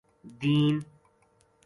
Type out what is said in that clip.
دین